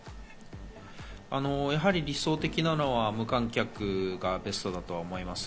やはり理想的なのは無観客がベストだと思います。